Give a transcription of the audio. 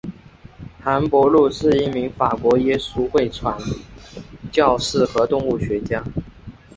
韩伯禄是一名法国耶稣会传教士和动物学家。